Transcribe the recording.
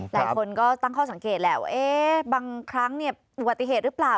หลายคนก็ตั้งข้อสังเกตแหละว่าบางครั้งอุบัติเหตุหรือเปล่า